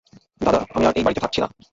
দাদা, আমি আর এই বাড়িতে থাকছি না।